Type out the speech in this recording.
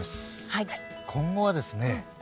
今後はですね